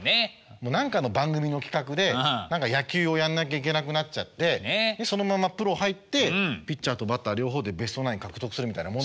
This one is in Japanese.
何かの番組の企画で野球をやんなきゃいけなくなっちゃってそのままプロ入ってピッチャーとバッター両方でベストナイン獲得するみたいなもん。